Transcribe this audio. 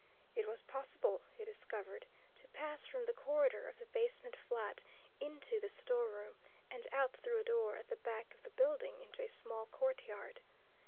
It was possible, he discovered, to pass from the corridor of the basement flat, into the store room, and out through a door at the back of the building into a small courtyard.